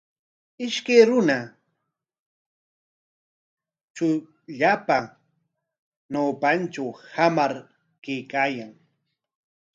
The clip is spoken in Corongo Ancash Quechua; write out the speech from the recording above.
Ishkay runa chukllapa ñawpantraw hamar kaykaayan.